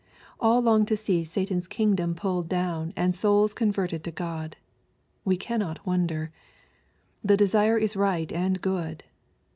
All long to see Satan's kingdom pulled down, and souls converted to God. We cannot wonder. The desire is right and good.